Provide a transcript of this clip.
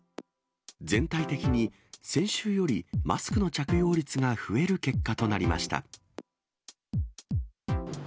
全体的に先週よりマスクの着用率が増える結果となりました。